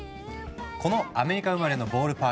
このアメリカ生まれのボールパーク文化